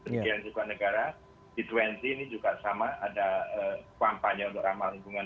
demikian juga negara g dua puluh ini juga sama ada kampanye untuk ramah lingkungan